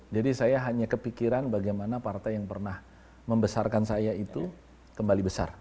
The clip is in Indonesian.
jadi saya hanya kepikiran bagaimana partai yang pernah membesarkan saya itu kembali besar